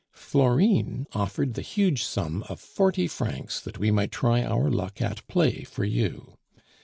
Florine offered the huge sum of forty francs, that we might try our luck at play for you.